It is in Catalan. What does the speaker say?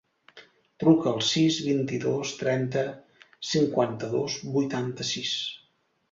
Truca al sis, vint-i-dos, trenta, cinquanta-dos, vuitanta-sis.